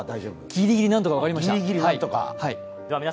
ギリギリなんとか分かりました。